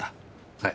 はい。